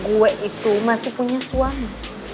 gue itu masih punya suami